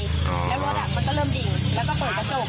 แล้วรถมันก็เริ่มดิ่งแล้วก็เปิดกระจก